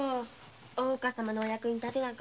大岡様のお役に立てなくて。